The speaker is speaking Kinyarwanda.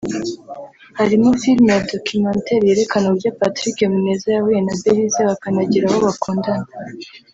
harimo filimi Documentaire yerekana uburyo Partrick Muneza yahuye na Belyse bakanagera aho bakundana